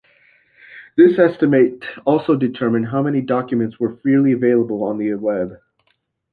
This estimate also determined how many documents were freely available on the web.